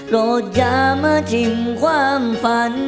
โรดยามทิ้งความฝัน